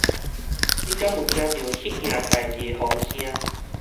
你敢有聽著彼件代誌的風聲？